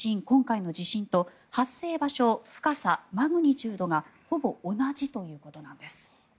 今回の地震と、発生場所深さ、マグニチュードがほぼ同じということなんです。